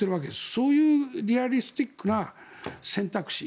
そういうリアリスティックな選択肢